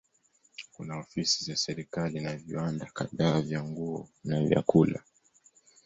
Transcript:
Kuna ofisi za serikali na viwanda kadhaa vya nguo na vyakula.